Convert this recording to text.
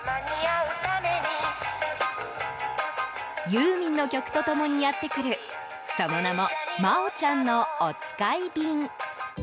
ユーミンの曲と共にやってくるその名もまおちゃんのおつかい便。